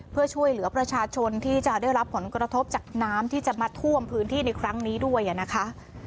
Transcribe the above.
เพื่อช่วยเหลือประชาชนที่จะได้รับผลกระทบจากน้ำที่จะมาท่วมพื้นที่ในครั้งนี้ด้วยนะคะ